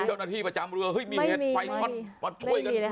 เจ้าหน้าที่ประจำเรือมีไฟช็อตช่วยกัน